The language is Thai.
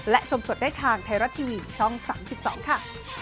และชมสดได้ทางไทยรัฐทีวีช่อง๓๒ค่ะ